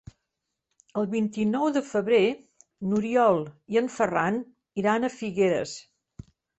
El vint-i-nou de febrer n'Oriol i en Ferran iran a Figueres.